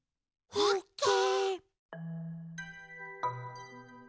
オッケー。